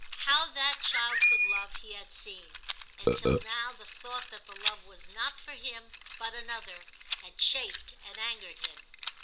How that child could love, he had seen ; and till now the thought that the love was not for him but another, had chafed and angered him.